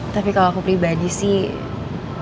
tapi kalau aku pribadi sih